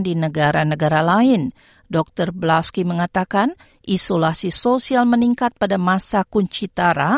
dan isolasi sosial meningkat pada masa kuncitara